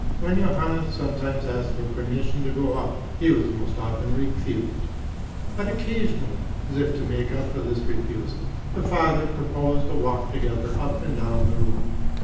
When Johannes sometimes asked for permission to go out, he was most often refused; but occasionally, as if to make up for this refusal, the father proposed a walk together up and down the room.